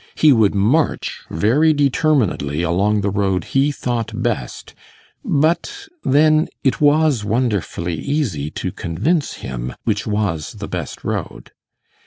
He would march very determinedly along the road he thought best; but then it was wonderfully easy to convince him which was the best road.